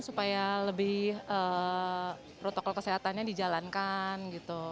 supaya lebih protokol kesehatannya dijalankan gitu